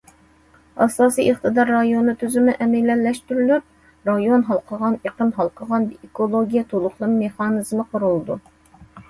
ئاساسىي ئىقتىدار رايونى تۈزۈمى ئەمەلىيلەشتۈرۈلۈپ، رايون ھالقىغان، ئېقىن ھالقىغان ئېكولوگىيە تولۇقلىما مېخانىزمى قۇرۇلىدۇ.